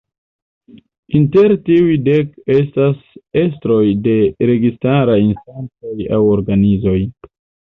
Inter tiuj dek estas estroj de registaraj instancoj aŭ organizoj.